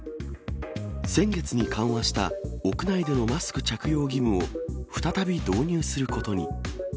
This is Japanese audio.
先月に緩和した屋内でのマスク着用義務を再び導入することに。